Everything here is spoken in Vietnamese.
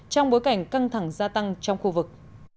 trong bối cảnh căng thẳng gia tăng trong khu vực